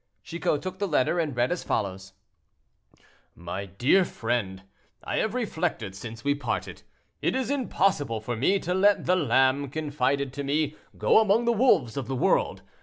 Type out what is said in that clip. Chicot took the letter, and read as follows: "My dear friend, I have reflected since we parted; it is impossible for me to let the lamb confided to me go among the wolves of the world.